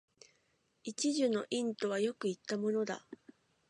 一樹の蔭とはよく云ったものだ